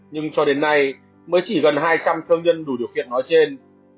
nhưng cho đến nay mới chỉ gần hai trăm linh thương nhân đủ điều kiện nói trên